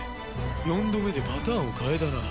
４度目でパターンを変えたな。